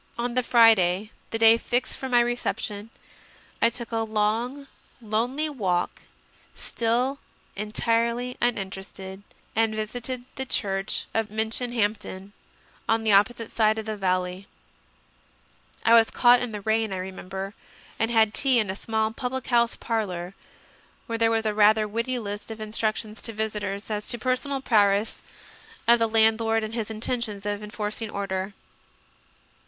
On the Friday, the day fixed for my reception, I took a long, lonely walk, still entirely uninterested, and visited the church of Minchinhampton, on the opposite side of the valley. I was caught in the rain, I remember, and had tea in a small public house parlour, where there was a rather witty list of in structions to visitors as to the personal prowess of the landlord and his intentions of enforcing order.